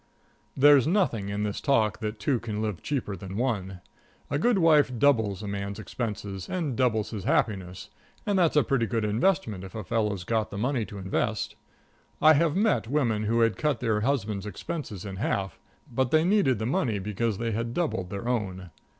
There's nothing in this talk that two can live cheaper than one. A good wife doubles a man's expenses and doubles his happiness, and that's a pretty good investment if a fellow's got the money to invest. I have met women who had cut their husband's expenses in half, but they needed the money because they had doubled their own.